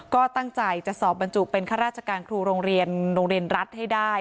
ก็ตั้งใจจะสอบบรรจุเป็นข้าราชการครูโรงเรียนโรงเรียนรัฐให้ได้